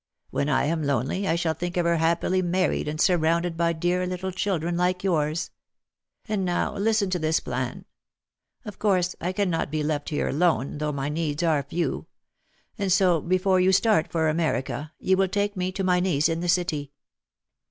When I am lonely, I shall think of her happily married and surrounded by dear little children like yours. And now listen to this plan. Of course I can not be left here alone, though my needs are few. And so before you start for America you will take me to my niece in the city.